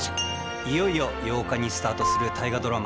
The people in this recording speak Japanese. いよいよ８日にスタートする大河ドラマ